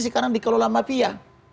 sekarang dikelola mafia